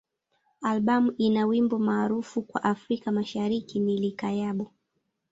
Albamu ina wimbo maarufu kwa Afrika Mashariki ni "Likayabo.